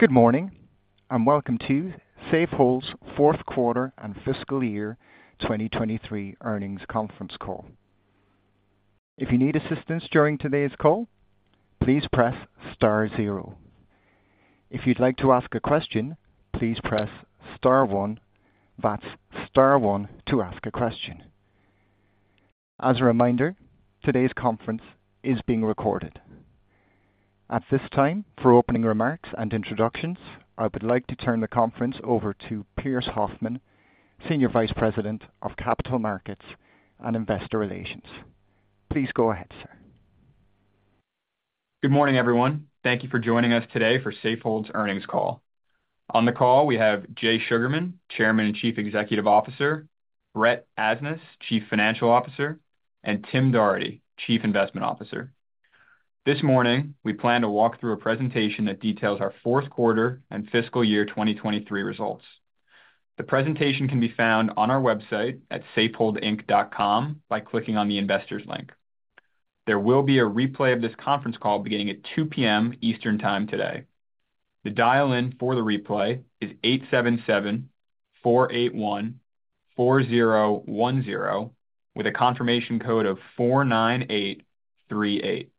Good morning. Welcome to Safehold's fourth quarter and fiscal year 2023 earnings conference call. If you need assistance during today's call, please press star zero. If you'd like to ask a question, please press star one. That's star one to ask a question. As a reminder, today's conference is being recorded. At this time, for opening remarks and introductions, I would like to turn the conference over to Pearse Hoffmann, Senior Vice President of Capital Markets and Investor Relations. Please go ahead, sir. Good morning, everyone. Thank you for joining us today for Safehold's earnings call. On the call, we have Jay Sugarman, Chairman and Chief Executive Officer; Brett Asnas, Chief Financial Officer; and Tim Doherty, Chief Investment Officer. This morning, we plan to walk through a presentation that details our fourth quarter and fiscal year 2023 results. The presentation can be found on our website at safeholdinc.com by clicking on the investors link. There will be a replay of this conference call beginning at 2:00 P.M. Eastern Time today. The dial-in for the replay is 877-481-4010, with a confirmation code of 49838.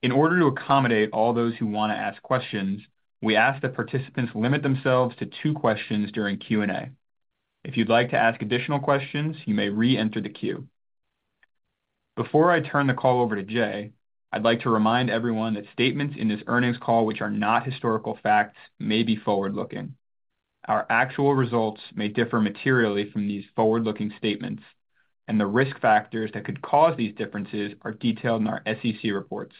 In order to accommodate all those who want to ask questions, we ask that participants limit themselves to two questions during Q&A. If you'd like to ask additional questions, you may re-enter the queue. Before I turn the call over to Jay, I'd like to remind everyone that statements in this earnings call which are not historical facts may be forward-looking. Our actual results may differ materially from these forward-looking statements, and the risk factors that could cause these differences are detailed in our SEC reports.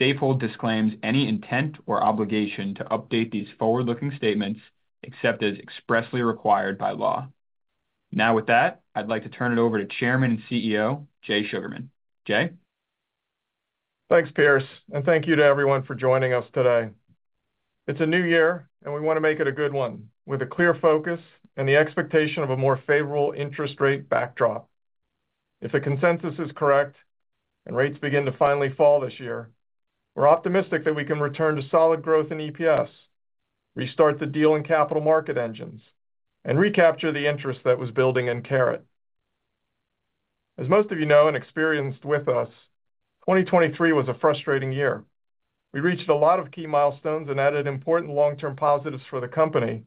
Safehold disclaims any intent or obligation to update these forward-looking statements except as expressly required by law. Now, with that, I'd like to turn it over to Chairman and CEO Jay Sugarman. Jay? Thanks, Pearse, and thank you to everyone for joining us today. It's a new year, and we want to make it a good one with a clear focus and the expectation of a more favorable interest rate backdrop. If the consensus is correct and rates begin to finally fall this year, we're optimistic that we can return to solid growth in EPS, restart the deal-in-capital market engines, and recapture the interest that was building in Caret. As most of you know and experienced with us, 2023 was a frustrating year. We reached a lot of key milestones and added important long-term positives for the company,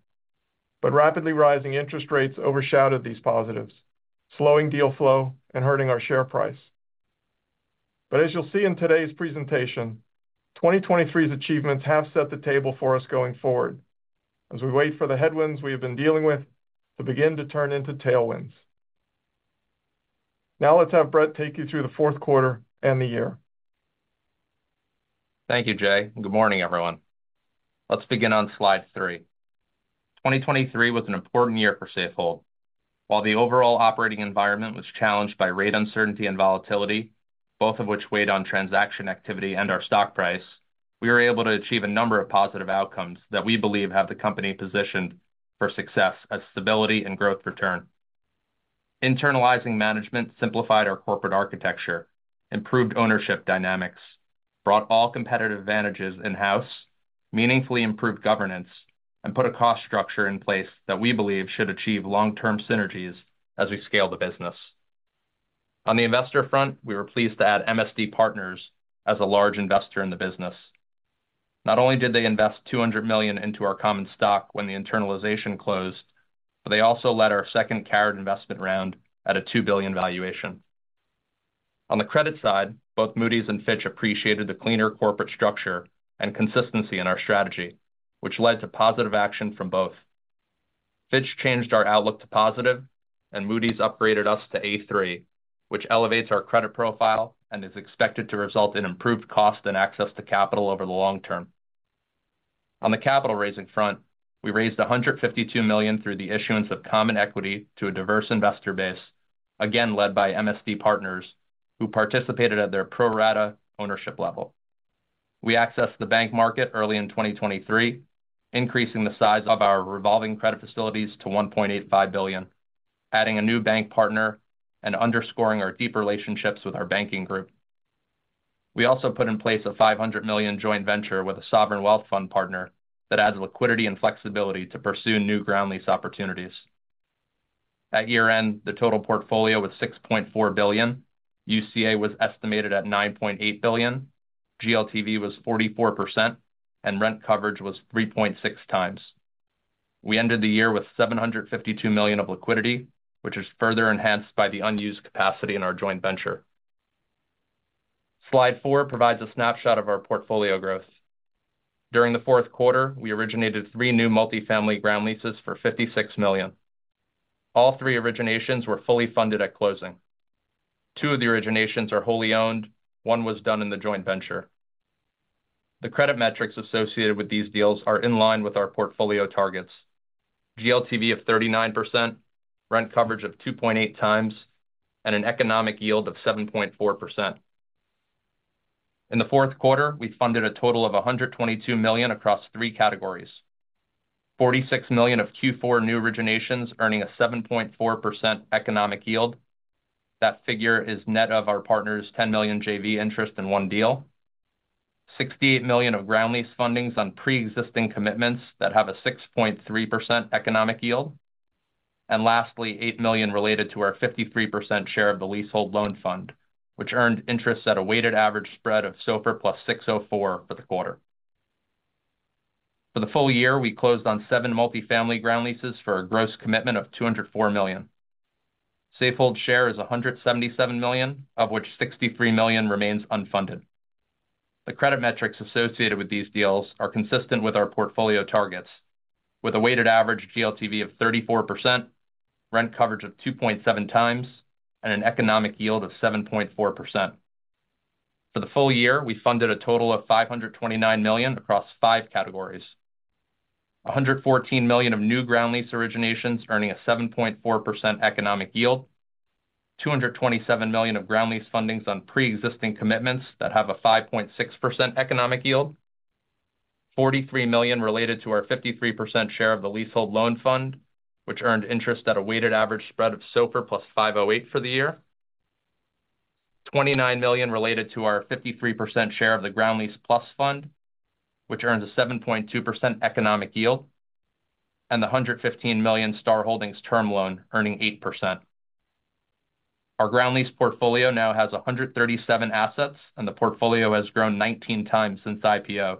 but rapidly rising interest rates overshadowed these positives, slowing deal flow and hurting our share price. But as you'll see in today's presentation, 2023's achievements have set the table for us going forward. As we wait for the headwinds we have been dealing with to begin to turn into tailwinds. Now let's have Brett take you through the fourth quarter and the year. Thank you, Jay. Good morning, everyone. Let's begin on slide three. 2023 was an important year for Safehold. While the overall operating environment was challenged by rate uncertainty and volatility, both of which weighed on transaction activity and our stock price, we were able to achieve a number of positive outcomes that we believe have the company positioned for success as stability and growth return. Internalizing management simplified our corporate architecture, improved ownership dynamics, brought all competitive advantages in-house, meaningfully improved governance, and put a cost structure in place that we believe should achieve long-term synergies as we scale the business. On the investor front, we were pleased to add MSD Partners as a large investor in the business. Not only did they invest $200 million into our common stock when the internalization closed, but they also led our second Caret investment round at a $2 billion valuation. On the credit side, both Moody's and Fitch appreciated the cleaner corporate structure and consistency in our strategy, which led to positive action from both. Fitch changed our outlook to positive, and Moody's upgraded us to A3, which elevates our credit profile and is expected to result in improved cost and access to capital over the long term. On the capital raising front, we raised $152 million through the issuance of common equity to a diverse investor base, again led by MSD Partners, who participated at their pro-rata ownership level. We accessed the bank market early in 2023, increasing the size of our revolving credit facilities to $1.85 billion, adding a new bank partner, and underscoring our deep relationships with our banking group. We also put in place a $500 million joint venture with a sovereign wealth fund partner that adds liquidity and flexibility to pursue new ground lease opportunities. At year-end, the total portfolio was $6.4 billion, UCA was estimated at $9.8 billion, GLTV was 44%, and rent coverage was 3.6x. We ended the year with $752 million of liquidity, which is further enhanced by the unused capacity in our joint venture. Slide four provides a snapshot of our portfolio growth. During the fourth quarter, we originated three new multifamily ground leases for $56 million. All three originations were fully funded at closing. Two of the originations are wholly owned. One was done in the joint venture. The credit metrics associated with these deals are in line with our portfolio targets: GLTV of 39%, rent coverage of 2.8x, and an economic yield of 7.4%. In the fourth quarter, we funded a total of $122 million across three categories: $46 million of Q4 new originations earning a 7.4% economic yield—that figure is net of our partner's $10 million JV interest in one deal; $68 million of ground lease fundings on pre-existing commitments that have a 6.3% economic yield; and lastly, $8 million related to our 53% share of the leasehold loan fund, which earned interest at a weighted average spread of SOFR plus 604 for the quarter. For the full year, we closed on seven multifamily ground leases for a gross commitment of $204 million. Safehold share is $177 million, of which $63 million remains unfunded. The credit metrics associated with these deals are consistent with our portfolio targets, with a weighted average GLTV of 34%, rent coverage of 2.7x, and an economic yield of 7.4%. For the full year, we funded a total of $529 million across five categories: $114 million of new ground lease originations earning a 7.4% economic yield, $227 million of ground lease fundings on pre-existing commitments that have a 5.6% economic yield, $43 million related to our 53% share of the Leasehold Loan Fund, which earned interest at a weighted average spread of SOFR +508 for the year, $29 million related to our 53% share of the Ground Lease Plus Fund, which earns a 7.2% economic yield, and the $115 million Star Holdings term loan earning 8%. Our ground lease portfolio now has 137 assets, and the portfolio has grown 19x since IPO,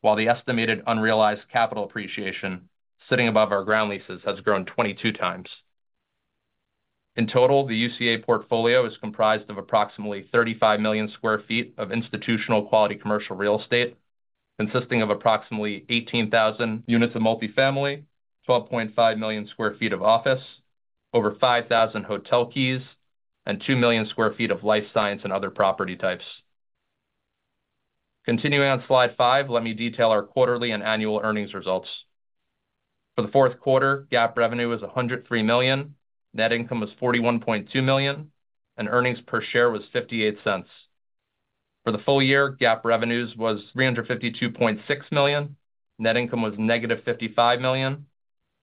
while the estimated unrealized capital appreciation sitting above our ground leases has grown 22x. In total, the UCA portfolio is comprised of approximately 35 million sq ft of institutional quality commercial real estate, consisting of approximately 18,000 units of multifamily, 12.5 million sq ft of office, over 5,000 hotel keys, and 2 million sq ft of life science and other property types. Continuing on slide five, let me detail our quarterly and annual earnings results. For the fourth quarter, GAAP revenue was $103 million, net income was $41.2 million, and earnings per share was $0.58. For the full year, GAAP revenues was $352.6 million, net income was -$55 million,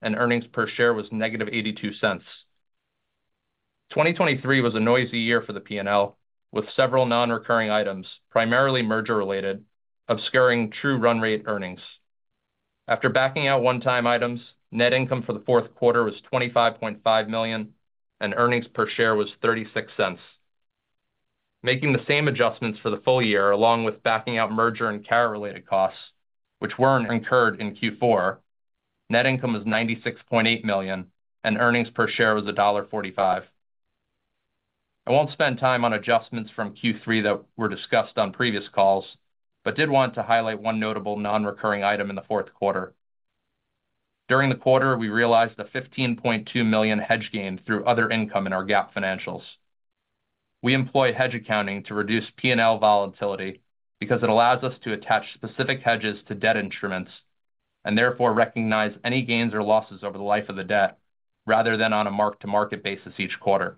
and earnings per share was -$0.82. 2023 was a noisy year for the P&L, with several non-recurring items, primarily merger-related, obscuring true run-rate earnings. After backing out one-time items, net income for the fourth quarter was $25.5 million, and earnings per share was $0.36. Making the same adjustments for the full year, along with backing out merger and Caret-related costs, which weren't incurred in Q4, net income was $96.8 million, and earnings per share was $1.45. I won't spend time on adjustments from Q3 that were discussed on previous calls, but did want to highlight one notable non-recurring item in the fourth quarter. During the quarter, we realized a $15.2 million hedge gain through other income in our GAAP financials. We employ hedge accounting to reduce P&L volatility because it allows us to attach specific hedges to debt instruments and therefore recognize any gains or losses over the life of the debt rather than on a mark-to-market basis each quarter.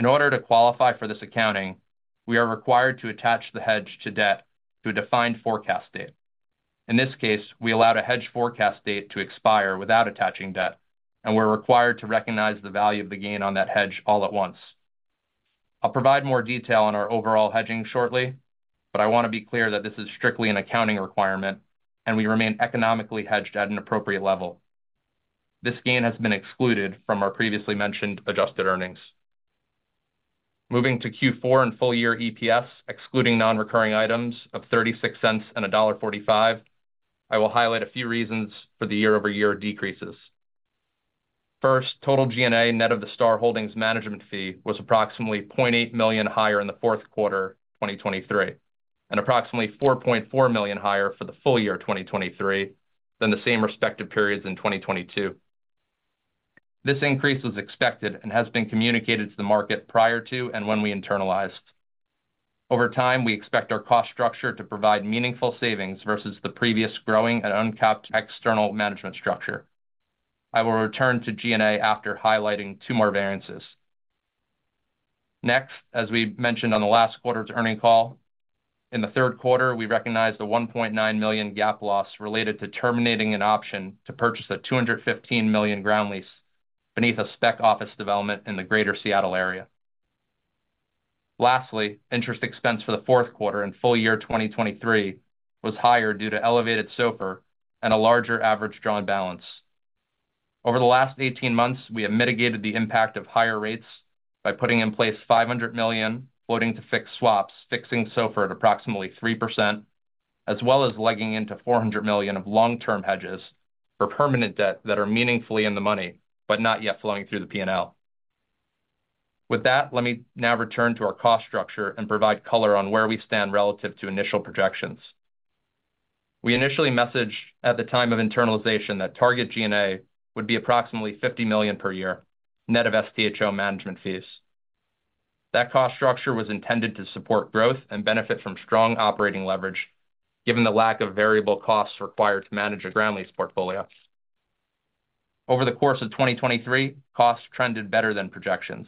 In order to qualify for this accounting, we are required to attach the hedge to debt to a defined forecast date. In this case, we allowed a hedge forecast date to expire without attaching debt, and we're required to recognize the value of the gain on that hedge all at once. I'll provide more detail on our overall hedging shortly, but I want to be clear that this is strictly an accounting requirement, and we remain economically hedged at an appropriate level. This gain has been excluded from our previously mentioned adjusted earnings. Moving to Q4 and full-year EPS, excluding non-recurring items of $0.36 and $1.45, I will highlight a few reasons for the year-over-year decreases. First, total G&A net of the Star Holdings management fee was approximately $0.8 million higher in the fourth quarter 2023 and approximately $4.4 million higher for the full year 2023 than the same respective periods in 2022. This increase was expected and has been communicated to the market prior to and when we internalized. Over time, we expect our cost structure to provide meaningful savings versus the previous growing and uncapped external management structure. I will return to G&A after highlighting two more variances. Next, as we mentioned on the last quarter's earnings call, in the third quarter, we recognized a $1.9 million GAAP loss related to terminating an option to purchase a $215 million ground lease beneath a spec office development in the greater Seattle area. Lastly, interest expense for the fourth quarter and full year 2023 was higher due to elevated SOFR and a larger average drawn balance. Over the last 18 months, we have mitigated the impact of higher rates by putting in place $500 million floating-to-fix swaps fixing SOFR at approximately 3%, as well as legging into $400 million of long-term hedges for permanent debt that are meaningfully in the money but not yet flowing through the P&L. With that, let me now return to our cost structure and provide color on where we stand relative to initial projections. We initially messaged at the time of internalization that target G&A would be approximately $50 million per year net of STHO management fees. That cost structure was intended to support growth and benefit from strong operating leverage given the lack of variable costs required to manage a ground lease portfolio. Over the course of 2023, costs trended better than projections.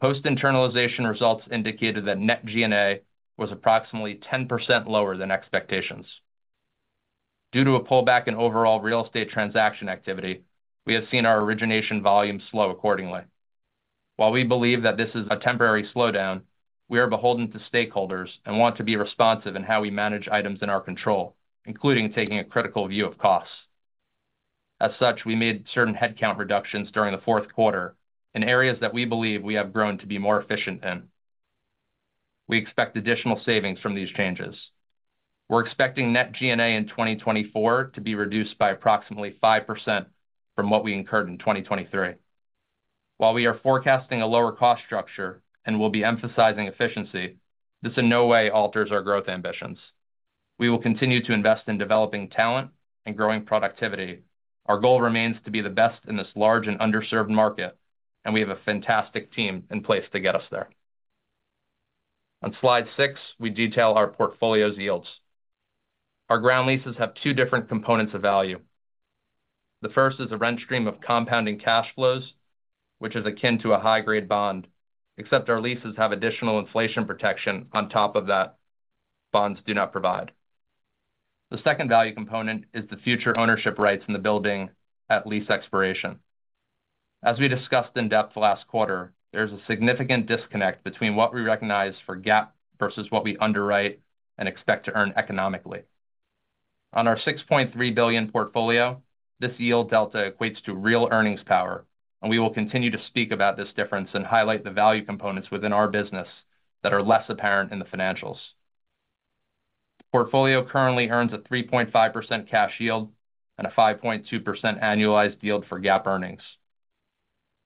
Post-internalization results indicated that net G&A was approximately 10% lower than expectations. Due to a pullback in overall real estate transaction activity, we have seen our origination volume slow accordingly. While we believe that this is a temporary slowdown, we are beholden to stakeholders and want to be responsive in how we manage items in our control, including taking a critical view of costs. As such, we made certain headcount reductions during the fourth quarter in areas that we believe we have grown to be more efficient in. We expect additional savings from these changes. We're expecting net G&A in 2024 to be reduced by approximately 5% from what we incurred in 2023. While we are forecasting a lower cost structure and will be emphasizing efficiency, this in no way alters our growth ambitions. We will continue to invest in developing talent and growing productivity. Our goal remains to be the best in this large and underserved market, and we have a fantastic team in place to get us there. On slide six, we detail our portfolio's yields. Our ground leases have two different components of value. The first is a rent stream of compounding cash flows, which is akin to a high-grade bond, except our leases have additional inflation protection on top of that bonds do not provide. The second value component is the future ownership rights in the building at lease expiration. As we discussed in depth last quarter, there is a significant disconnect between what we recognize for GAAP versus what we underwrite and expect to earn economically. On our $6.3 billion portfolio, this yield delta equates to real earnings power, and we will continue to speak about this difference and highlight the value components within our business that are less apparent in the financials. The portfolio currently earns a 3.5% cash yield and a 5.2% annualized yield for GAAP earnings.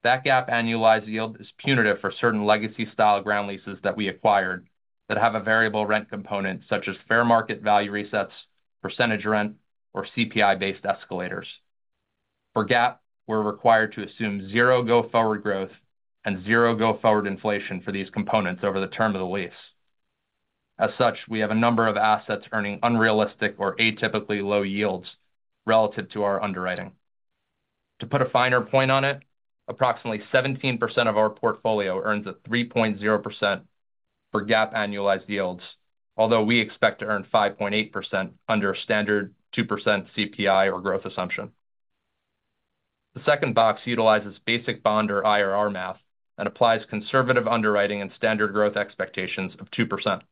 That GAAP annualized yield is punitive for certain legacy-style ground leases that we acquired that have a variable rent component such as fair market value resets, percentage rent, or CPI-based escalators. For GAAP, we're required to assume zero go-forward growth and zero go-forward inflation for these components over the term of the lease. As such, we have a number of assets earning unrealistic or atypically low yields relative to our underwriting. To put a finer point on it, approximately 17% of our portfolio earns a 3.0% for GAAP annualized yields, although we expect to earn 5.8% under a standard 2% CPI or growth assumption. The second box utilizes basic bond or IRR math and applies conservative underwriting and standard growth expectations of 2%.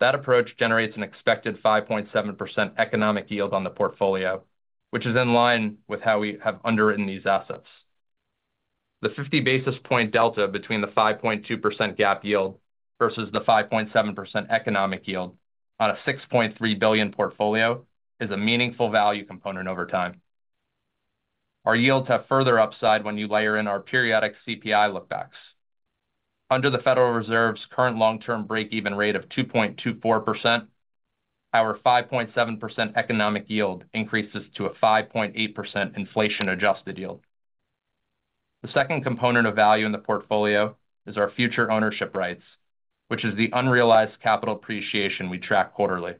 That approach generates an expected 5.7% economic yield on the portfolio, which is in line with how we have underwritten these assets. The 50 basis point delta between the 5.2% GAAP yield versus the 5.7% economic yield on a $6.3 billion portfolio is a meaningful value component over time. Our yields have further upside when you layer in our periodic CPI lookbacks. Under the Federal Reserve's current long-term breakeven rate of 2.24%, our 5.7% economic yield increases to a 5.8% inflation-adjusted yield. The second component of value in the portfolio is our future ownership rights, which is the unrealized capital appreciation we track quarterly.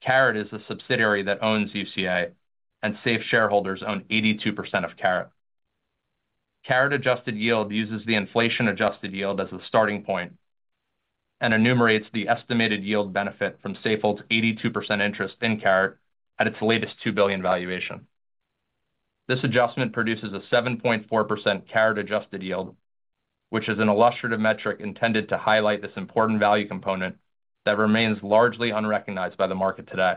Caret is the subsidiary that owns UCA, and Safe Shareholders own 82% of Caret. Caret-adjusted yield uses the inflation-adjusted yield as the starting point and enumerates the estimated yield benefit from Safehold's 82% interest in Caret at its latest $2 billion valuation. This adjustment produces a 7.4% Caret-adjusted yield, which is an illustrative metric intended to highlight this important value component that remains largely unrecognized by the market today.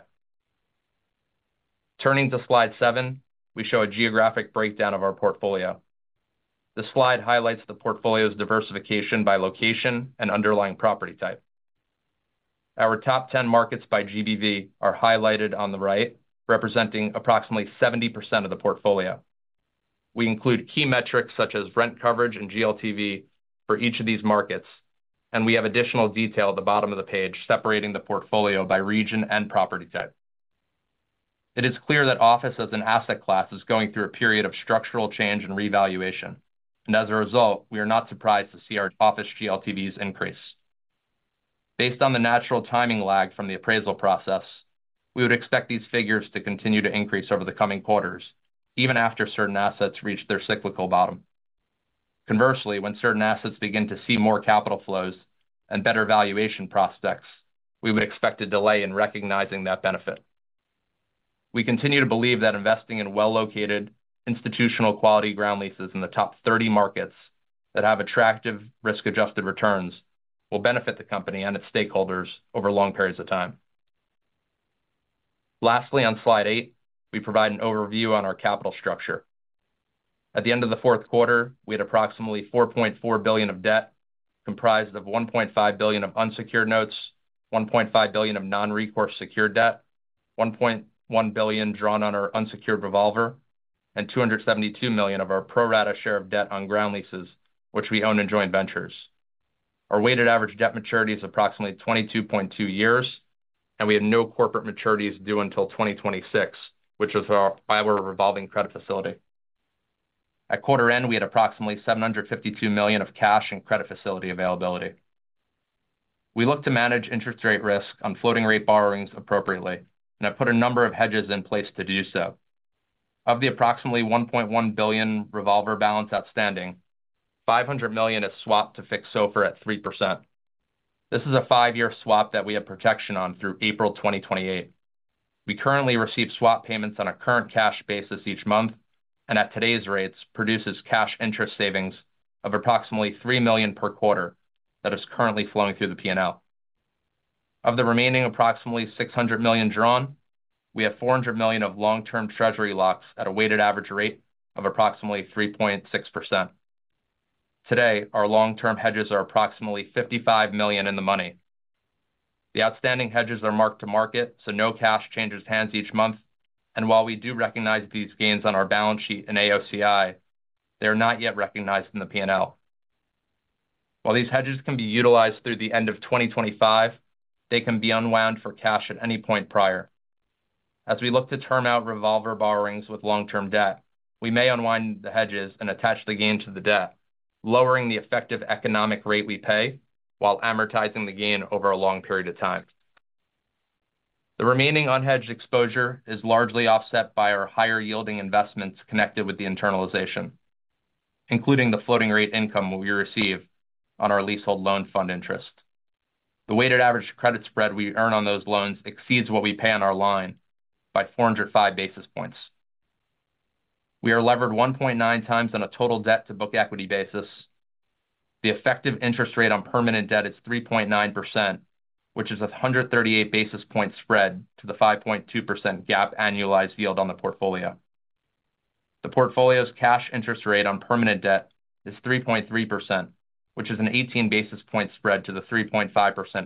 Turning to slide seven, we show a geographic breakdown of our portfolio. This slide highlights the portfolio's diversification by location and underlying property type. Our top 10 markets by GBV are highlighted on the right, representing approximately 70% of the portfolio. We include key metrics such as rent coverage and GLTV for each of these markets, and we have additional detail at the bottom of the page separating the portfolio by region and property type. It is clear that office as an asset class is going through a period of structural change and revaluation, and as a result, we are not surprised to see our office GLTVs increase. Based on the natural timing lag from the appraisal process, we would expect these figures to continue to increase over the coming quarters, even after certain assets reach their cyclical bottom. Conversely, when certain assets begin to see more capital flows and better valuation prospects, we would expect a delay in recognizing that benefit. We continue to believe that investing in well-located, institutional quality ground leases in the top 30 markets that have attractive risk-adjusted returns will benefit the company and its stakeholders over long periods of time. Lastly, on slide eight, we provide an overview on our capital structure. At the end of the fourth quarter, we had approximately $4.4 billion of debt comprised of $1.5 billion of unsecured notes, $1.5 billion of non-recourse secured debt, $1.1 billion drawn on our unsecured revolver, and $272 million of our pro-rata share of debt on ground leases, which we own in joint ventures. Our weighted average debt maturity is approximately 22.2 years, and we have no corporate maturities due until 2026, which is by our revolving credit facility. At quarter end, we had approximately $752 million of cash and credit facility availability. We look to manage interest rate risk on floating-rate borrowings appropriately, and I put a number of hedges in place to do so. Of the approximately $1.1 billion revolver balance outstanding, $500 million is swapped to fix SOFR at 3%. This is a five-year swap that we have protection on through April 2028. We currently receive swap payments on a current cash basis each month, and at today's rates, produces cash interest savings of approximately $3 million per quarter that is currently flowing through the P&L. Of the remaining approximately $600 million drawn, we have $400 million of long-term treasury locks at a weighted average rate of approximately 3.6%. Today, our long-term hedges are approximately $55 million in the money. The outstanding hedges are marked to market, so no cash changes hands each month, and while we do recognize these gains on our balance sheet in AOCI, they are not yet recognized in the P&L. While these hedges can be utilized through the end of 2025, they can be unwound for cash at any point prior. As we look to term out revolver borrowings with long-term debt, we may unwind the hedges and attach the gain to the debt, lowering the effective economic rate we pay while amortizing the gain over a long period of time. The remaining unhedged exposure is largely offset by our higher-yielding investments connected with the internalization, including the floating-rate income we receive on our Leasehold Loan Fund interest. The weighted average credit spread we earn on those loans exceeds what we pay on our line by 405 basis points. We are levered 1.9 times on a total debt-to-book equity basis. The effective interest rate on permanent debt is 3.9%, which is a 138 basis point spread to the 5.2% GAAP annualized yield on the portfolio. The portfolio's cash interest rate on permanent debt is 3.3%, which is an 18 basis point spread to the 3.5%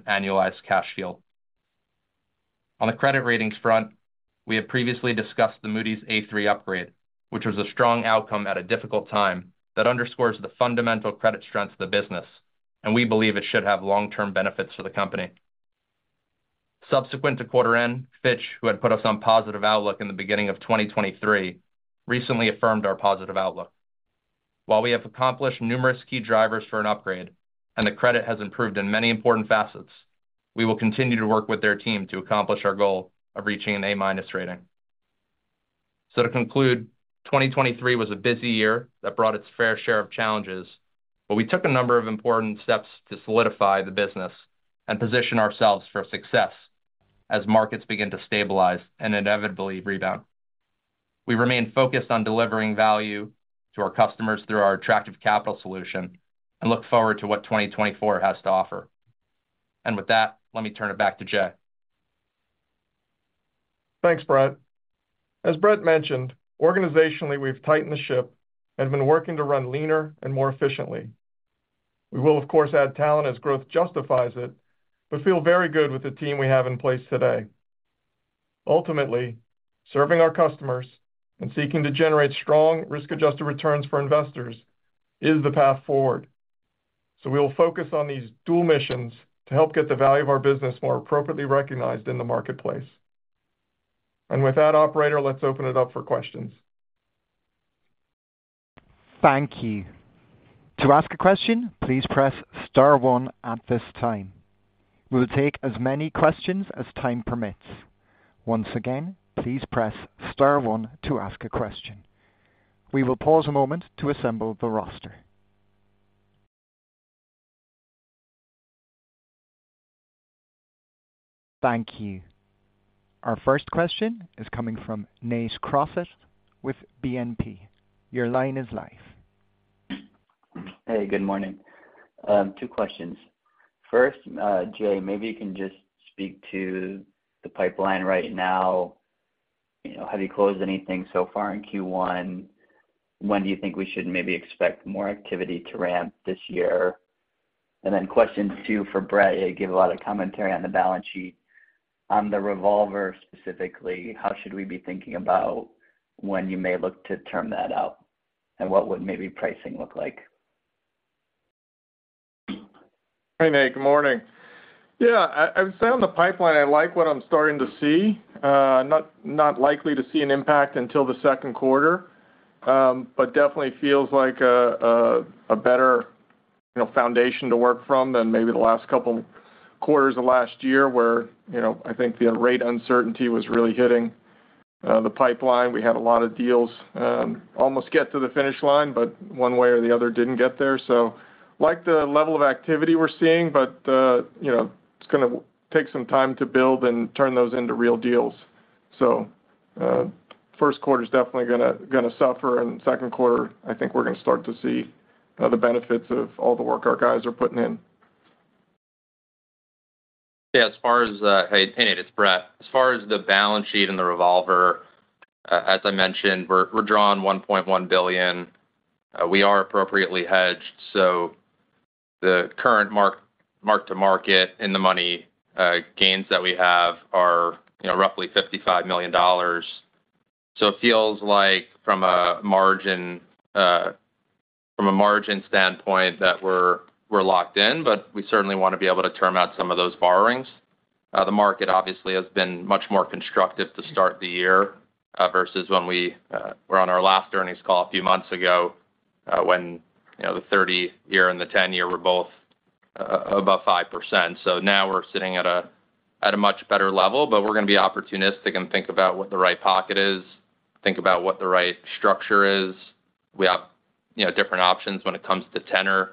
annualized cash yield. On the credit ratings front, we have previously discussed the Moody's A3 upgrade, which was a strong outcome at a difficult time that underscores the fundamental credit strengths of the business, and we believe it should have long-term benefits for the company. Subsequent to quarter end, Fitch, who had put us on positive outlook in the beginning of 2023, recently affirmed our positive outlook. While we have accomplished numerous key drivers for an upgrade and the credit has improved in many important facets, we will continue to work with their team to accomplish our goal of reaching an A-rating. To conclude, 2023 was a busy year that brought its fair share of challenges, but we took a number of important steps to solidify the business and position ourselves for success as markets begin to stabilize and inevitably rebound. We remain focused on delivering value to our customers through our attractive capital solution and look forward to what 2024 has to offer. With that, let me turn it back to Jay. Thanks, Brett. As Brett mentioned, organizationally, we've tightened the ship and been working to run leaner and more efficiently. We will, of course, add talent as growth justifies it, but feel very good with the team we have in place today. Ultimately, serving our customers and seeking to generate strong risk-adjusted returns for investors is the path forward. So we will focus on these dual missions to help get the value of our business more appropriately recognized in the marketplace. And with that, operator, let's open it up for questions. Thank you. To ask a question, please press star one at this time. We will take as many questions as time permits. Once again, please press star one to ask a question. We will pause a moment to assemble the roster. Thank you. Our first question is coming from Nate Crossett with BNP. Your line is live. Hey, good morning. Two questions. First, Jay, maybe you can just speak to the pipeline right now. Have you closed anything so far in Q1? When do you think we should maybe expect more activity to ramp this year? And then question two for Brett, you gave a lot of commentary on the balance sheet. On the revolver specifically, how should we be thinking about when you may look to term that out, and what would maybe pricing look like? Hey, Nate, good morning. Yeah, I would say on the pipeline, I like what I'm starting to see. Not likely to see an impact until the second quarter, but definitely feels like a better foundation to work from than maybe the last couple of quarters of last year where I think the rate uncertainty was really hitting the pipeline. We had a lot of deals almost get to the finish line, but one way or the other, didn't get there. So I like the level of activity we're seeing, but it's going to take some time to build and turn those into real deals. So first quarter's definitely going to suffer, and second quarter, I think we're going to start to see the benefits of all the work our guys are putting in. Yeah, as far as, hey, Nate, it's Brett. As far as the balance sheet and the revolver, as I mentioned, we're drawn $1.1 billion. We are appropriately hedged, so the current mark-to-market in the money gains that we have are roughly $55 million. So it feels like from a margin standpoint that we're locked in, but we certainly want to be able to term out some of those borrowings. The market, obviously, has been much more constructive to start the year versus when we were on our last earnings call a few months ago when the 30-year and the 10-year were both above 5%. So now we're sitting at a much better level, but we're going to be opportunistic and think about what the right pocket is, think about what the right structure is. We have different options when it comes to tenor.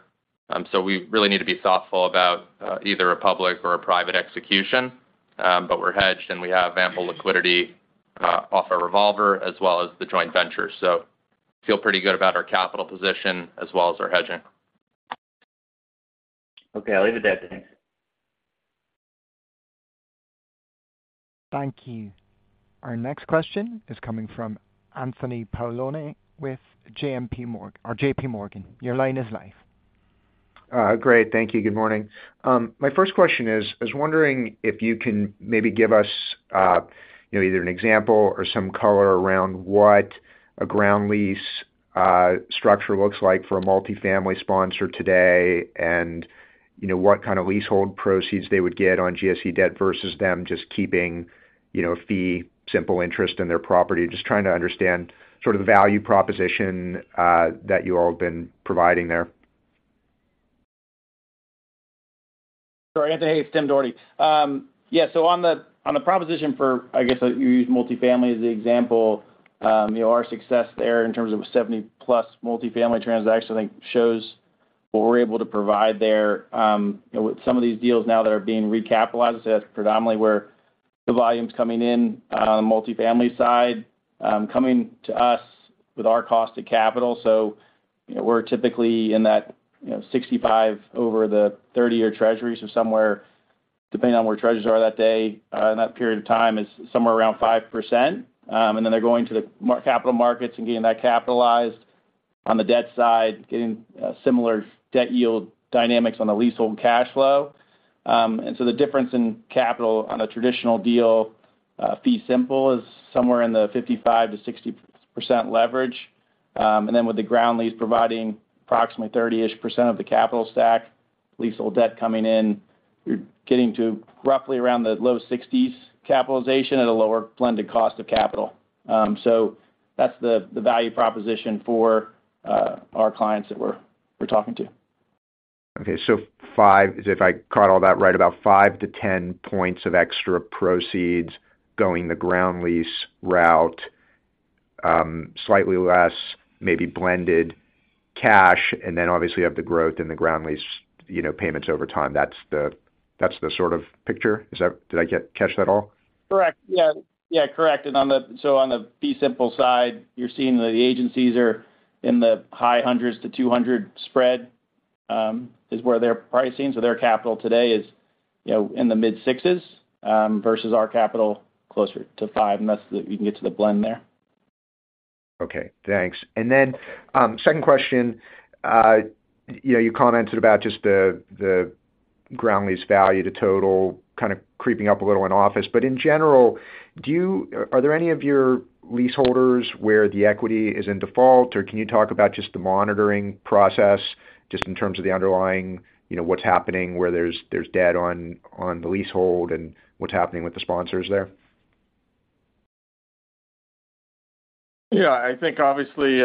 So we really need to be thoughtful about either a public or a private execution, but we're hedged and we have ample liquidity off our revolver as well as the joint venture. So feel pretty good about our capital position as well as our hedging. Okay, I'll leave it there. Thanks. Thank you. Our next question is coming from Anthony Paolone with JPMorgan. Your line is live. Great. Thank you. Good morning. My first question is wondering if you can maybe give us either an example or some color around what a ground lease structure looks like for a multifamily sponsor today and what kind of leasehold proceeds they would get on GSE debt versus them just keeping a fee simple interest in their property. Just trying to understand sort of the value proposition that you all have been providing there. Sure. Anthony, hey, it's Tim Doherty. Yeah, so on the proposition for I guess you used multifamily as the example. Our success there in terms of 70+ multifamily transactions, I think, shows what we're able to provide there. With some of these deals now that are being recapitalized, I'd say that's predominantly where the volume's coming in on the multifamily side, coming to us with our cost of capital. So we're typically in that 65 over the 30-year treasury. So somewhere, depending on where treasuries are that day in that period of time, is somewhere around 5%. And then they're going to the capital markets and getting that capitalized on the debt side, getting similar debt yield dynamics on the leasehold cash flow. And so the difference in capital on a traditional deal, fee simple, is somewhere in the 55%-60% leverage. And then with the ground lease providing approximately 30-ish% of the capital stack, leasehold debt coming in, you're getting to roughly around the low 60s capitalization at a lower blended cost of capital. So that's the value proposition for our clients that we're talking to. Okay. So if I caught all that right, about 5-10 points of extra proceeds going the Ground Lease route, slightly less maybe blended cash, and then obviously you have the growth and the Ground Lease payments over time. That's the sort of picture. Did I catch that all? Correct. Yeah. Yeah, correct. And so on the Fee Simple side, you're seeing that the agencies are in the high 100s to 200 spread is where they're pricing. So their capital today is in the mid-sixes versus our capital closer to five, and that's that you can get to the blend there. Okay. Thanks. And then second question, you commented about just the ground lease value to total kind of creeping up a little in office. But in general, are there any of your leaseholders where the equity is in default, or can you talk about just the monitoring process just in terms of the underlying what's happening, where there's debt on the leasehold, and what's happening with the sponsors there? Yeah, I think obviously,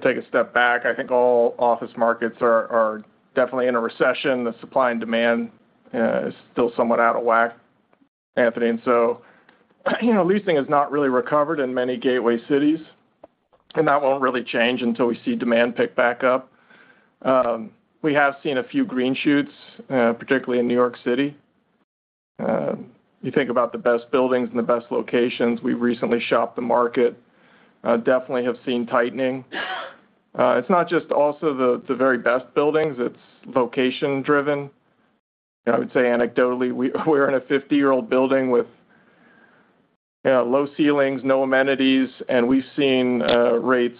take a step back. I think all office markets are definitely in a recession. The supply and demand is still somewhat out of whack, Anthony. So leasing has not really recovered in many gateway cities, and that won't really change until we see demand pick back up. We have seen a few green shoots, particularly in New York City. You think about the best buildings and the best locations. We've recently shopped the market, definitely have seen tightening. It's not just also the very best buildings. It's location-driven. I would say anecdotally, we're in a 50-year-old building with low ceilings, no amenities, and we've seen rates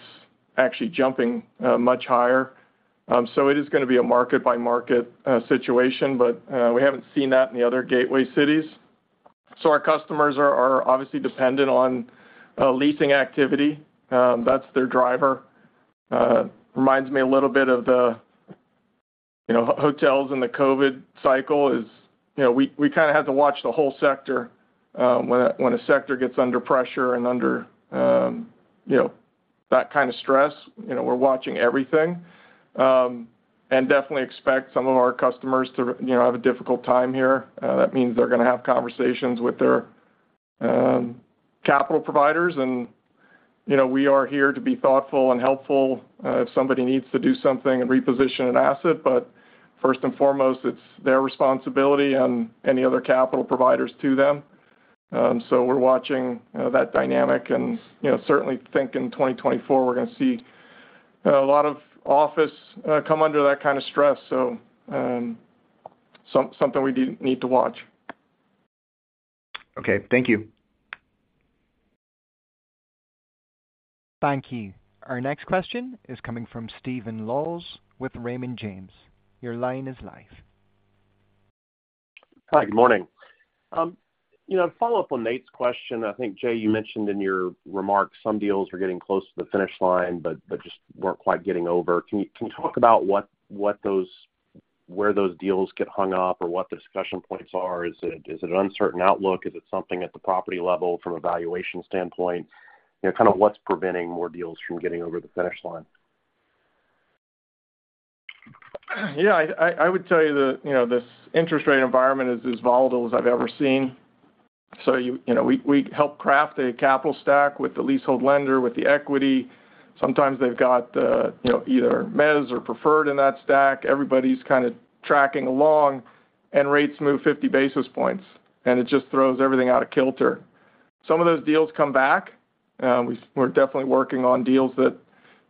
actually jumping much higher. So it is going to be a market-by-market situation, but we haven't seen that in the other gateway cities. So our customers are obviously dependent on leasing activity. That's their driver. Reminds me a little bit of the hotels in the COVID cycle is we kind of had to watch the whole sector. When a sector gets under pressure and under that kind of stress, we're watching everything and definitely expect some of our customers to have a difficult time here. That means they're going to have conversations with their capital providers. We are here to be thoughtful and helpful if somebody needs to do something and reposition an asset. First and foremost, it's their responsibility and any other capital providers to them. We're watching that dynamic and certainly think in 2024, we're going to see a lot of office come under that kind of stress. Something we need to watch. Okay. Thank you. Thank you. Our next question is coming from Stephen Laws with Raymond James. Your line is live. Hi, good morning. Follow up on Nate's question. I think, Jay, you mentioned in your remarks some deals were getting close to the finish line but just weren't quite getting over. Can you talk about where those deals get hung up or what the discussion points are? Is it an uncertain outlook? Is it something at the property level from a valuation standpoint? Kind of what's preventing more deals from getting over the finish line? Yeah, I would tell you that this interest rate environment is as volatile as I've ever seen. So we help craft a capital stack with the leasehold lender, with the equity. Sometimes they've got either Mez or Preferred in that stack. Everybody's kind of tracking along, and rates move 50 basis points, and it just throws everything out of kilter. Some of those deals come back. We're definitely working on deals that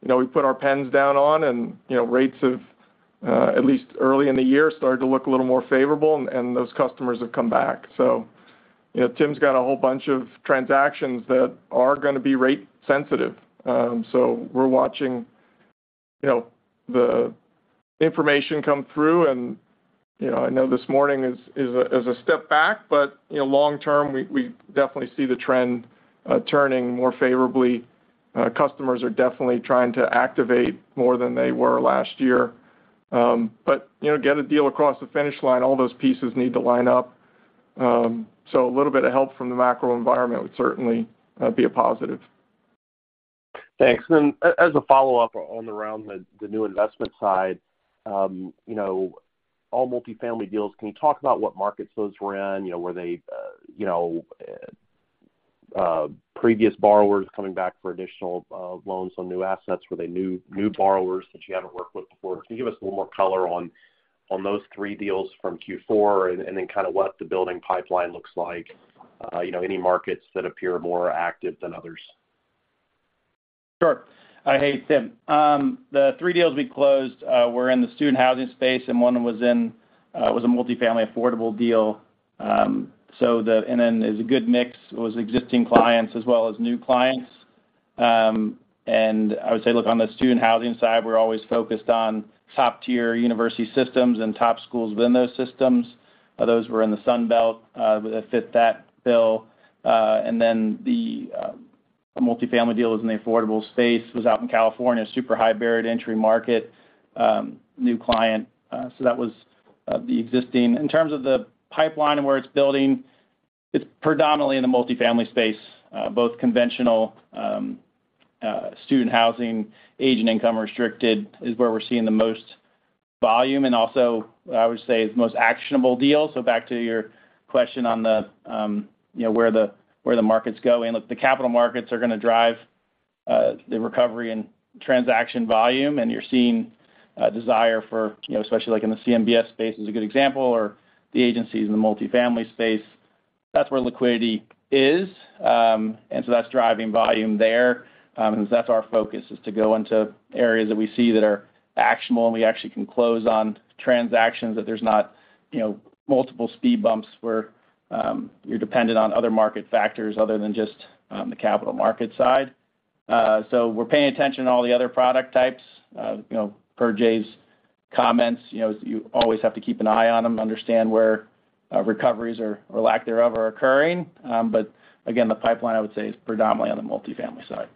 we put our pens down on, and rates have, at least early in the year, started to look a little more favourable, and those customers have come back. So Tim's got a whole bunch of transactions that are going to be rate-sensitive. So we're watching the information come through. And I know this morning is a step back, but long term, we definitely see the trend turning more favorably. Customers are definitely trying to activate more than they were last year. But get a deal across the finish line, all those pieces need to line up. So a little bit of help from the macro environment would certainly be a positive. Thanks. Then as a follow-up on the round, the new investment side, all multifamily deals, can you talk about what markets those were in? Were they previous borrowers coming back for additional loans on new assets? Were they new borrowers that you haven't worked with before? Can you give us a little more color on those three deals from Q4 and then kind of what the building pipeline looks like, any markets that appear more active than others? Sure. Hey, it's Tim. The three deals we closed, we're in the student housing space, and one was a multifamily affordable deal. And then it was a good mix of existing clients as well as new clients. And I would say, look, on the student housing side, we're always focused on top-tier university systems and top schools within those systems. Those were in the Sunbelt that fit that bill. And then a multifamily deal was in the affordable space, was out in California, super high barrier to entry market, new client. So that was the existing in terms of the pipeline and where it's building, it's predominantly in the multifamily space. Both conventional student housing, age and income-restricted is where we're seeing the most volume and also, I would say, is the most actionable deal. So back to your question on where the markets go in. Look, the capital markets are going to drive the recovery and transaction volume, and you're seeing desire for especially in the CMBS space is a good example or the agencies in the multifamily space. That's where liquidity is. And so that's driving volume there because that's our focus, is to go into areas that we see that are actionable and we actually can close on transactions that there's not multiple speed bumps where you're dependent on other market factors other than just the capital market side. So we're paying attention to all the other product types. Per Jay's comments, you always have to keep an eye on them, understand where recoveries or lack thereof are occurring. But again, the pipeline, I would say, is predominantly on the multifamily side.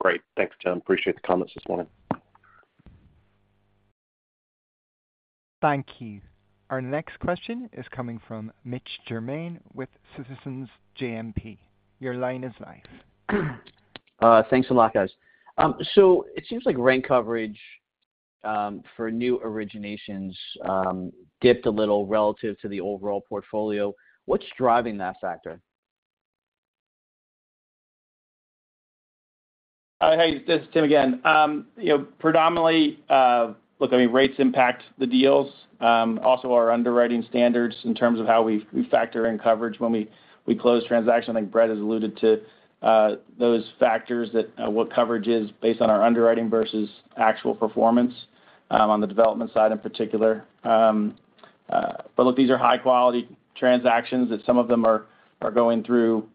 Great. Thanks, Tim. Appreciate the comments this morning. Thank you. Our next question is coming from Mitch Germain with Citizens JMP. Your line is live. Thanks a lot, guys. So it seems like rent coverage for new originations dipped a little relative to the overall portfolio. What's driving that factor? Hi, hey, this is Tim again. Predominantly, look, I mean, rates impact the deals, also our underwriting standards in terms of how we factor in coverage when we close transactions. I think Brett has alluded to those factors, what coverage is based on our underwriting versus actual performance on the development side in particular. But look, these are high-quality transactions that some of them are going through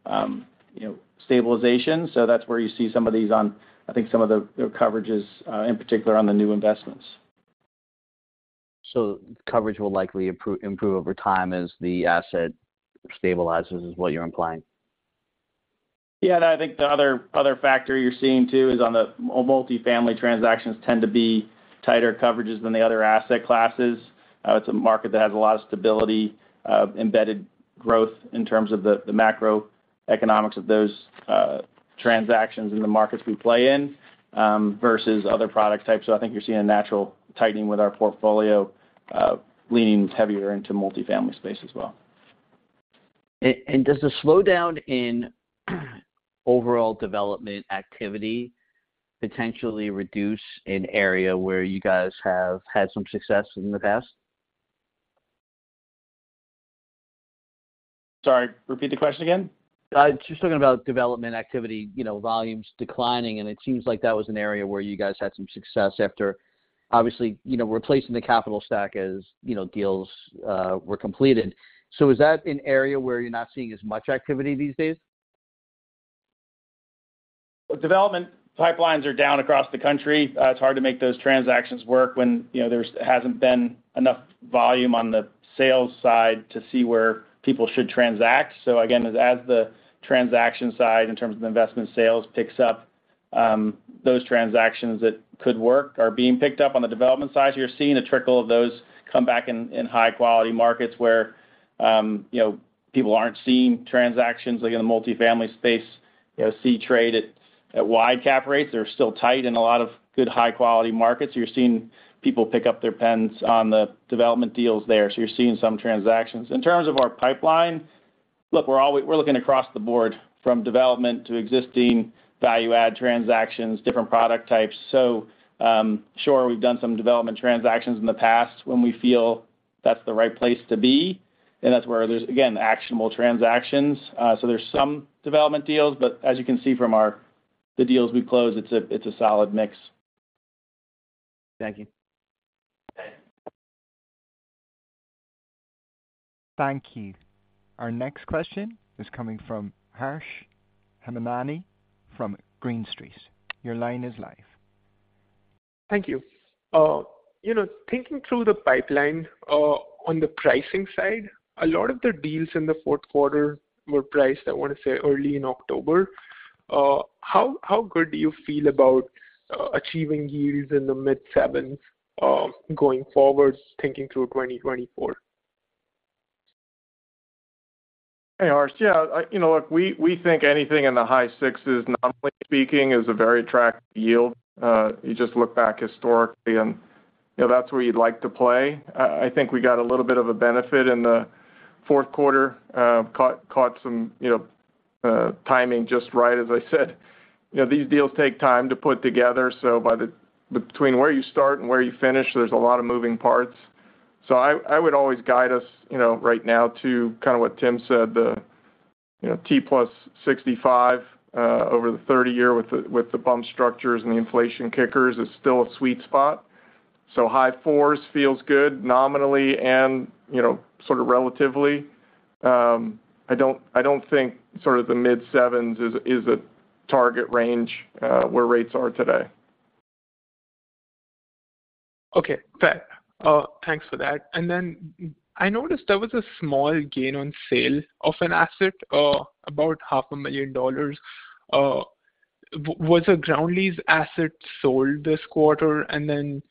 stabilization. So that's where you see some of these on, I think, some of the coverages, in particular, on the new investments. Coverage will likely improve over time as the asset stabilizes, is what you're implying? Yeah. And I think the other factor you're seeing too is on the multifamily transactions tend to be tighter coverages than the other asset classes. It's a market that has a lot of stability, embedded growth in terms of the macroeconomics of those transactions and the markets we play in versus other product types. So I think you're seeing a natural tightening with our portfolio leaning heavier into multifamily space as well. Does the slowdown in overall development activity potentially reduce an area where you guys have had some success in the past? Sorry. Repeat the question again. Just talking about development activity volumes declining, and it seems like that was an area where you guys had some success after, obviously, replacing the capital stack as deals were completed. So is that an area where you're not seeing as much activity these days? Well, development pipelines are down across the country. It's hard to make those transactions work when there hasn't been enough volume on the sales side to see where people should transact. So again, as the transaction side in terms of the investment sales picks up, those transactions that could work are being picked up on the development side. So you're seeing a trickle of those come back in high-quality markets where people aren't seeing transactions. In the multifamily space, C-Trade at wide cap rates, they're still tight in a lot of good high-quality markets. So you're seeing people pick up their pens on the development deals there. So you're seeing some transactions. In terms of our pipeline, look, we're looking across the board from development to existing value-add transactions, different product types. So sure, we've done some development transactions in the past when we feel that's the right place to be, and that's where there's, again, actionable transactions. So there's some development deals, but as you can see from the deals we close, it's a solid mix. Thank you. Thank you. Our next question is coming from Harsh Hemnani from Green Street. Your line is live. Thank you. Thinking through the pipeline on the pricing side, a lot of the deals in the fourth quarter were priced, I want to say, early in October. How good do you feel about achieving yields in the mid-7s going forward, thinking through 2024? Hey, Harsh. Yeah, look, we think anything in the high 6s, nominally speaking, is a very attractive yield. You just look back historically, and that's where you'd like to play. I think we got a little bit of a benefit in the fourth quarter, caught some timing just right, as I said. These deals take time to put together. So between where you start and where you finish, there's a lot of moving parts. So I would always guide us right now to kind of what Tim said, the T + 65 over the 30-year with the bump structures and the inflation kickers is still a sweet spot. So high 4s feels good nominally and sort of relatively. I don't think sort of the mid-7s is a target range where rates are today. Okay. Thanks for that. And then I noticed there was a small gain on sale of an asset, about $500,000. Was a ground lease asset sold this quarter? And then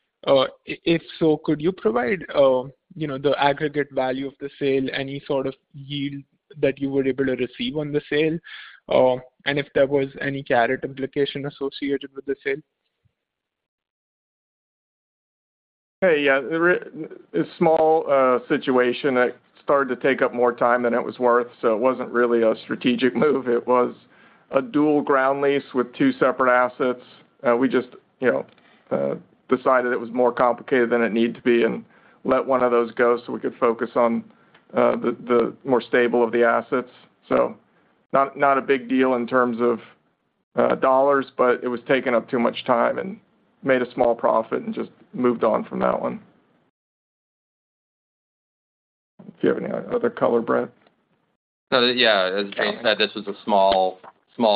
if so, could you provide the aggregate value of the sale, any sort of yield that you were able to receive on the sale, and if there was any Caret implication associated with the sale? Hey, yeah. It's a small situation. It started to take up more time than it was worth. So it wasn't really a strategic move. It was a dual ground leases with two separate assets. We just decided it was more complicated than it needed to be and let one of those go so we could focus on the more stable of the assets. So not a big deal in terms of dollars, but it was taking up too much time and made a small profit and just moved on from that one. If you have any other color, Brett. Yeah. As Jay said, this was a small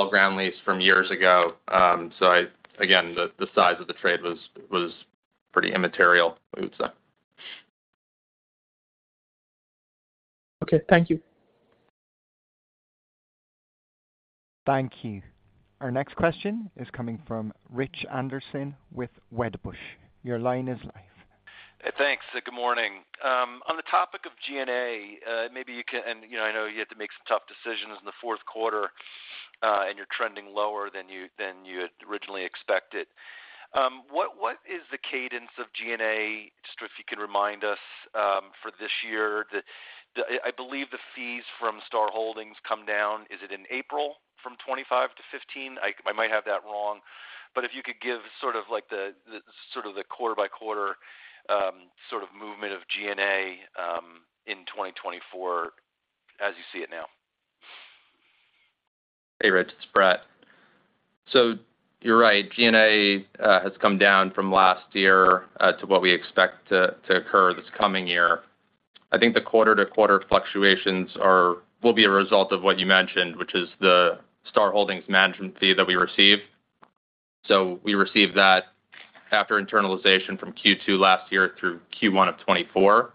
ground lease from years ago. So again, the size of the trade was pretty immaterial, we would say. Okay. Thank you. Thank you. Our next question is coming from Rich Anderson with Wedbush. Your line is live. Thanks. Good morning. On the topic of G&A, maybe you can and I know you had to make some tough decisions in the fourth quarter, and you're trending lower than you had originally expected. What is the cadence of G&A, just if you can remind us, for this year? I believe the fees from Star Holdings come down. Is it in April from 25 to 15? I might have that wrong. But if you could give sort of the quarter-by-quarter sort of movement of G&A in 2024 as you see it now. Hey, Rich. It's Brett. So you're right. G&A has come down from last year to what we expect to occur this coming year. I think the quarter-to-quarter fluctuations will be a result of what you mentioned, which is the Star Holdings management fee that we receive. So we receive that after internalization from Q2 last year through Q1 of 2024,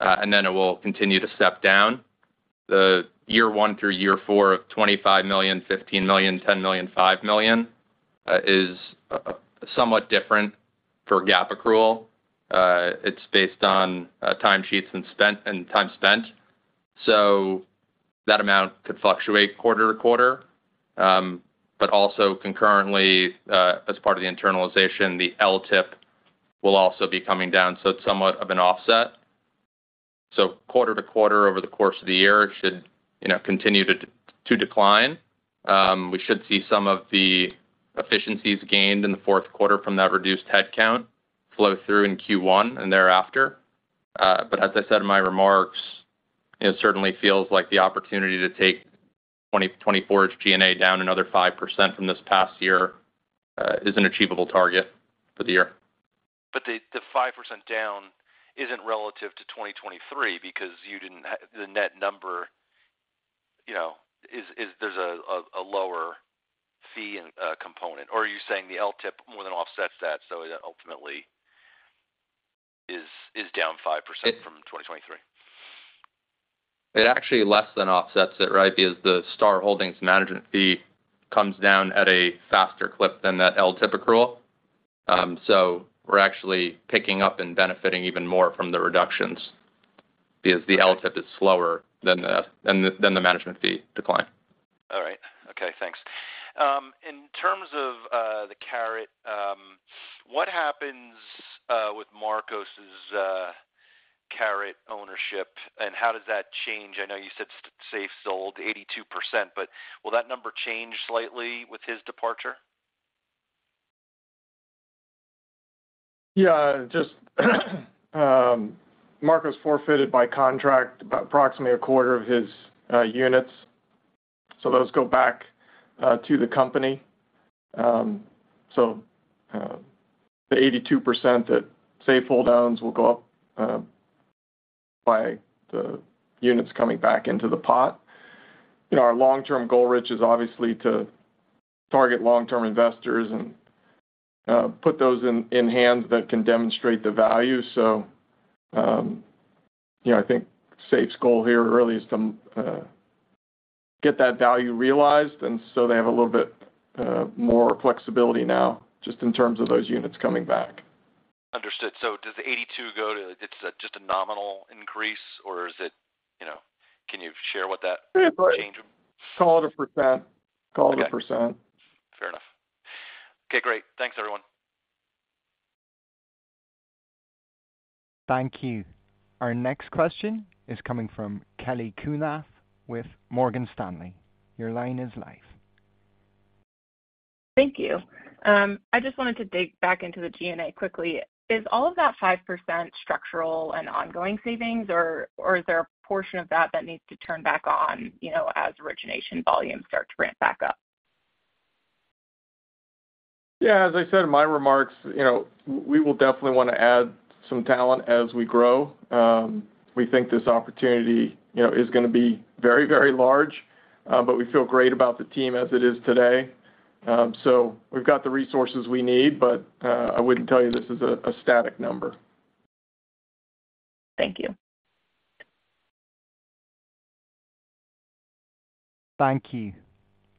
and then it will continue to step down. The year one through year four of $25 million, $15 million, $10 million, $5 million is somewhat different for GAAP accrual. It's based on time sheets and time spent. So that amount could fluctuate quarter to quarter. But also concurrently, as part of the internalization, the LTIP will also be coming down. So it's somewhat of an offset. So quarter-to-quarter over the course of the year, it should continue to decline. We should see some of the efficiencies gained in the fourth quarter from that reduced headcount flow through in Q1 and thereafter. But as I said in my remarks, it certainly feels like the opportunity to take 2024's G&A down another 5% from this past year is an achievable target for the year. But the 5% down isn't relative to 2023 because the net number is there's a lower fee component? Or are you saying the LTIP more than offsets that so it ultimately is down 5% from 2023? It actually less than offsets it, right, because the Star Holdings management fee comes down at a faster clip than that LTIP accrual. So we're actually picking up and benefiting even more from the reductions because the LTIP is slower than the management fee decline. All right. Okay. Thanks. In terms of the Caret, what happens with Marcos's Caret ownership, and how does that change? I know you said Safehold sold 82%, but will that number change slightly with his departure? Yeah. Marcos forfeited by contract approximately a quarter of his units. So those go back to the company. So the 82% that Safehold owns will go up by the units coming back into the pot. Our long-term goal, Rich, is obviously to target long-term investors and put those in hands that can demonstrate the value. So I think Safehold's goal here really is to get that value realized and so they have a little bit more flexibility now just in terms of those units coming back. Understood. So does the 82 go to it? It's just a nominal increase, or is it? Can you share what that change would be? Call it a percent. Call it a percent. Fair enough. Okay. Great. Thanks, everyone. Thank you. Our next question is coming from Kelly Kunath with Morgan Stanley. Your line is live. Thank you. I just wanted to dig back into the G&A quickly. Is all of that 5% structural and ongoing savings, or is there a portion of that that needs to turn back on as origination volumes start to ramp back up? Yeah. As I said in my remarks, we will definitely want to add some talent as we grow. We think this opportunity is going to be very, very large, but we feel great about the team as it is today. So we've got the resources we need, but I wouldn't tell you this is a static number. Thank you. Thank you.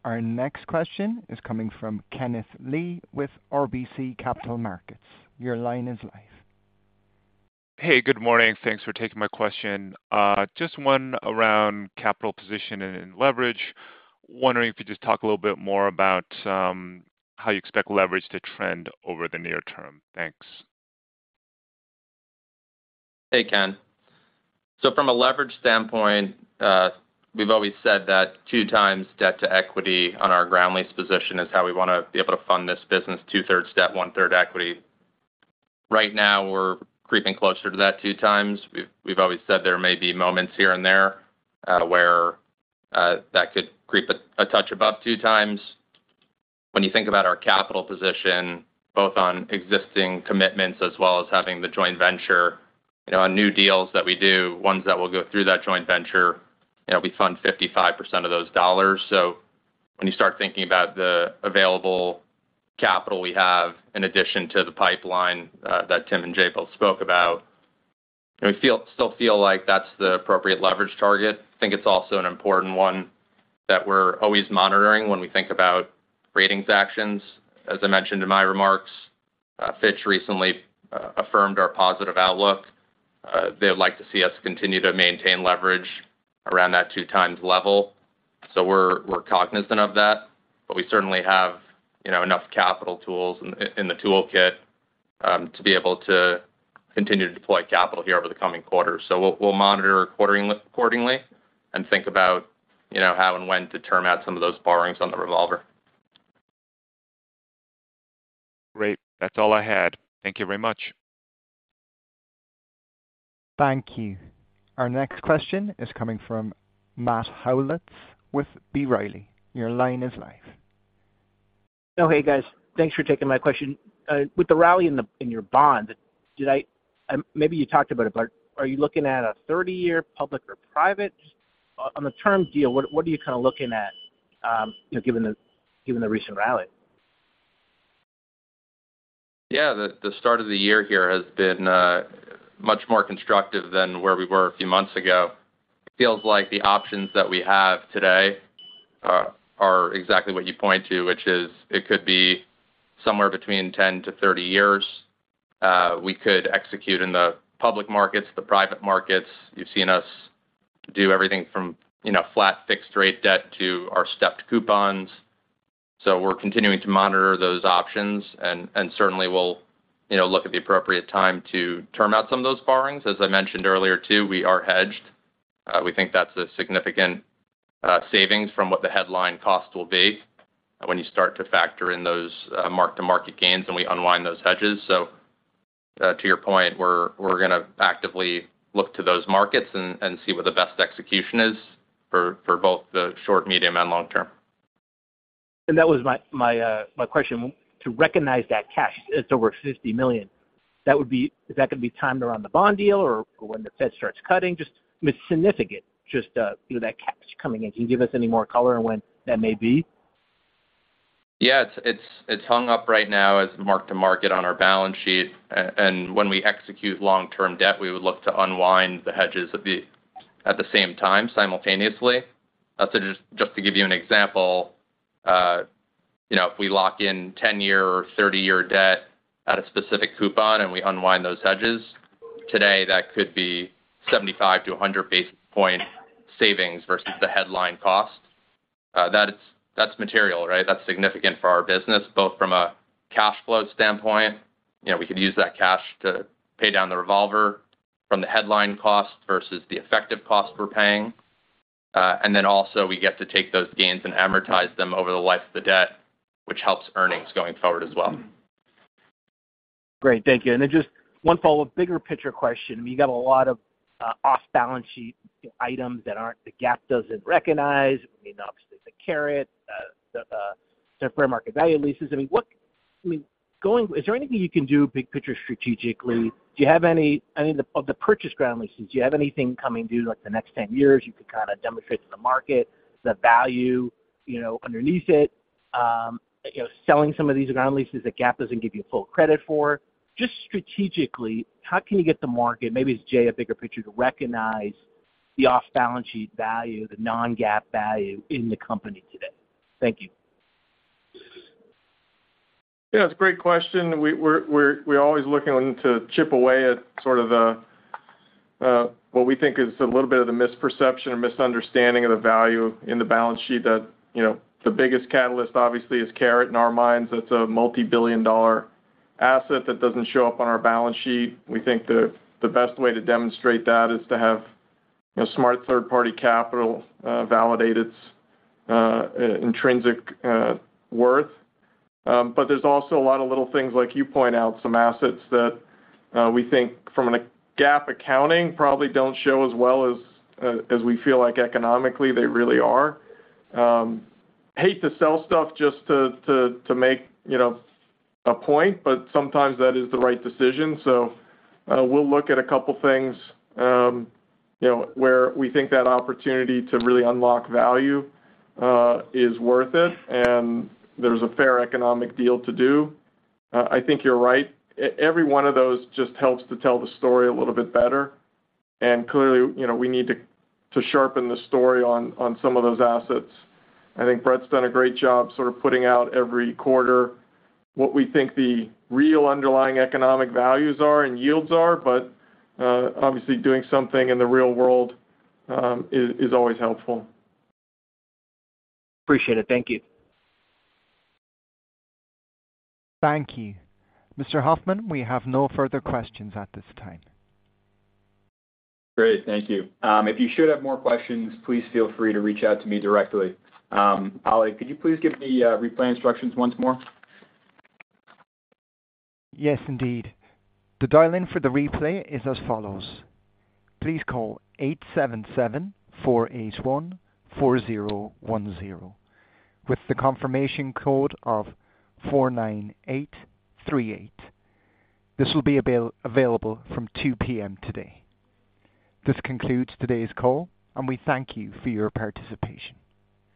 Our next question is coming from Kenneth Lee with RBC Capital Markets. Your line is live. Hey, good morning. Thanks for taking my question. Just one around capital position and leverage. Wondering if you could just talk a little bit more about how you expect leverage to trend over the near term. Thanks. Hey, Ken. So from a leverage standpoint, we've always said that 2x debt to equity on our ground lease position is how we want to be able to fund this business: two-thirds debt, one-third equity. Right now, we're creeping closer to that 2x. We've always said there may be moments here and there where that could creep a touch above 2x. When you think about our capital position, both on existing commitments as well as having the joint venture, on new deals that we do, ones that will go through that joint venture, we fund 55% of those dollars. So when you start thinking about the available capital we have in addition to the pipeline that Tim and Jay both spoke about, we still feel like that's the appropriate leverage target. I think it's also an important one that we're always monitoring when we think about ratings actions. As I mentioned in my remarks, Fitch recently affirmed our positive outlook. They would like to see us continue to maintain leverage around that 2x level. So we're cognizant of that, but we certainly have enough capital tools in the toolkit to be able to continue to deploy capital here over the coming quarters. So we'll monitor accordingly and think about how and when to term out some of those borrowings on the revolver. Great. That's all I had. Thank you very much. Thank you. Our next question is coming from Matt Howlett with B. Riley. Your line is live. Oh, hey, guys. Thanks for taking my question. With the rally in your bonds, maybe you talked about it, but are you looking at a 30-year public or private? On the term deal, what are you kind of looking at given the recent rally? Yeah. The start of the year here has been much more constructive than where we were a few months ago. It feels like the options that we have today are exactly what you point to, which is it could be somewhere between 10-30 years. We could execute in the public markets, the private markets. You've seen us do everything from flat fixed-rate debt to our stepped coupons. So we're continuing to monitor those options, and certainly, we'll look at the appropriate time to term out some of those borrowings. As I mentioned earlier too, we are hedged. We think that's a significant savings from what the headline cost will be when you start to factor in those mark-to-market gains and we unwind those hedges. To your point, we're going to actively look to those markets and see what the best execution is for both the short, medium, and long term. That was my question. To recognize that cash, it's over $50 million. Is that going to be timed around the bond deal or when the Fed starts cutting? I mean, it's significant, just that cash coming in. Can you give us any more color on when that may be? Yeah. It's hung up right now as mark-to-market on our balance sheet. When we execute long-term debt, we would look to unwind the hedges at the same time, simultaneously. Just to give you an example, if we lock in 10-year or 30-year debt at a specific coupon and we unwind those hedges, today, that could be 75-100 basis point savings versus the headline cost. That's material, right? That's significant for our business, both from a cash flow standpoint. We could use that cash to pay down the revolver from the headline cost versus the effective cost we're paying. Then also, we get to take those gains and amortize them over the life of the debt, which helps earnings going forward as well. Great. Thank you. And then just one follow-up, bigger picture question. I mean, you got a lot of off-balance sheet items that GAAP doesn't recognize. I mean, obviously, the Caret, the fair market value leases. I mean, is there anything you can do big picture strategically? Do you have any of the purchased ground leases? Do you have anything coming due the next 10 years you could kind of demonstrate to the market, the value underneath it? Selling some of these ground leases that GAAP doesn't give you full credit for, just strategically, how can you get the market, maybe as Jay, a bigger picture, to recognize the off-balance sheet value, the non-GAAP value in the company today? Thank you. Yeah. It's a great question. We're always looking to chip away at sort of what we think is a little bit of the misperception or misunderstanding of the value in the balance sheet. The biggest catalyst, obviously, is Caret. In our minds, that's a multibillion-dollar asset that doesn't show up on our balance sheet. We think the best way to demonstrate that is to have smart third-party capital validate its intrinsic worth. But there's also a lot of little things, like you point out, some assets that we think from a GAAP accounting probably don't show as well as we feel like economically they really are. Hate to sell stuff just to make a point, but sometimes that is the right decision. So we'll look at a couple of things where we think that opportunity to really unlock value is worth it, and there's a fair economic deal to do. I think you're right. Every one of those just helps to tell the story a little bit better. Clearly, we need to sharpen the story on some of those assets. I think Brett's done a great job sort of putting out every quarter what we think the real underlying economic values are and yields are. Obviously, doing something in the real world is always helpful. Appreciate it. Thank you. Thank you. Mr. Hoffmann, we have no further questions at this time. Great. Thank you. If you should have more questions, please feel free to reach out to me directly. Holly, could you please give the replay instructions once more? Yes, indeed. The dial-in for the replay is as follows. Please call 877-481-4010 with the confirmation code of 49838. This will be available from 2:00 P.M. today. This concludes today's call, and we thank you for your participation.